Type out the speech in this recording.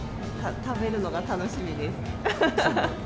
食べるのが楽しみです。